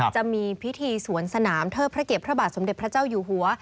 จะมีพิธีสวนสนามเทิดพระเกียรติพระบาทสมเด็จพระเจ้าอยู่หัว